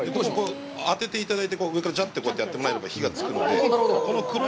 当てていただいて、上からジャってやってもらえれば火がつくので。